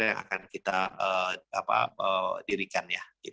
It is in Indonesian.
yang akan kita dirikan